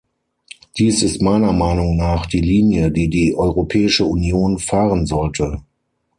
Dies ist meiner Meinung nach die Linie, die die Europäische Union fahren sollte.